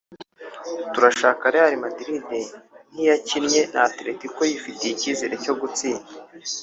turashaka Real Madrid nk’iyakinnye na Atletico yifitiye icyizere cyo gutsinda